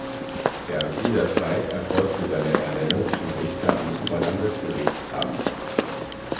Während dieser Zeit erfolgte seine Ernennung zum Richter am Oberlandesgericht Hamm.